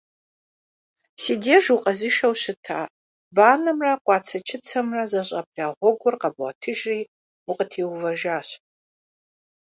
Си деж укъэзышэу щыта, банэмрэ къуацэ-чыцэмрэ зэщӀабла гъуэгур къэбгъуэтыжри, укъытеувэжащ.